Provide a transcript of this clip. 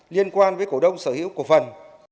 liên quan với cổ đông sở hữu cổ phần